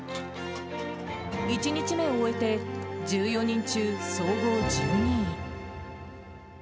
１日目を終えて、１４人中総合１２位。